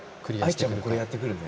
秋彩ちゃんもこれやってくるよね。